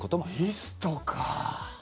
リストか。